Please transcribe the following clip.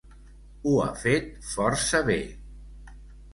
Ho ha fet força bé.